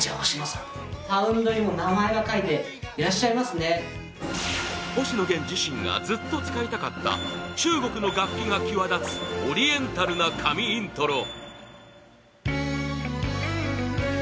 更に、ｓｙｕｄｏｕは星野源自身がずっと使いたかった中国の楽器が際立つオリエンタルな神イントロ！